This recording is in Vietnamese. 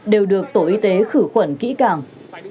đều được tổ y tế khử khuẩn kỹ càng